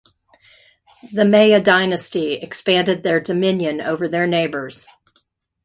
The Maya dynasty expanded their dominion over their neighbors.